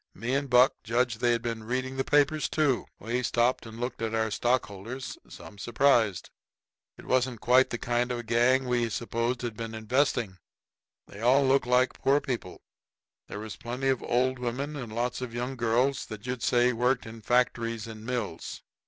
Me and Buck judged they'd been reading the papers, too. We stopped and looked at our stockholders, some surprised. It wasn't quite the kind of a gang we supposed had been investing. They all looked like poor people; there was plenty of old women and lots of young girls that you'd say worked in factories and mills.